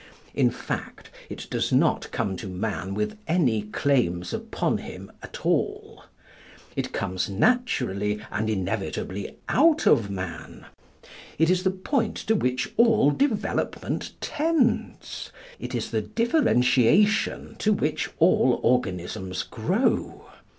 In fact, it does not come to man with any claims upon him at all. It comes naturally and inevitably out of man. It is the point to which all development tends. It is the differentiation to which all organisms grow.